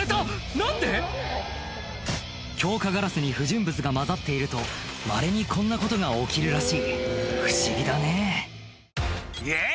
何で⁉強化ガラスに不純物が混ざっているとまれにこんなことが起きるらしい不思議だねぇ「イエイ！